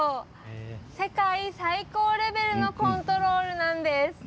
世界最高レベルのコントロールなんです。